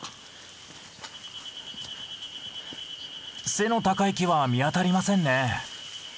背の高い木は見当たりませんね。